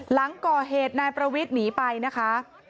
หลังก่อเหตุนายประวิทย์หนีไปนะคะ